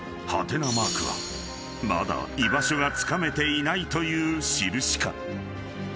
マークはまだ居場所がつかめていないという印か？］